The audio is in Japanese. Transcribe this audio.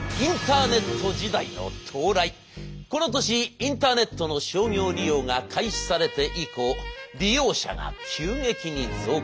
それはこの年インターネットの商業利用が開始されて以降利用者が急激に増加。